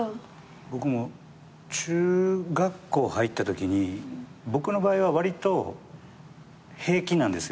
僕も中学校入ったときに僕の場合はわりと平気なんですよ